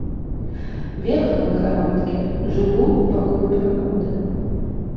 Век мой кароткі, жыву, пакуль прырода.